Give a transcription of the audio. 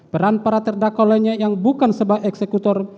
peran para terdakwa lainnya yang bukan sebab eksekutor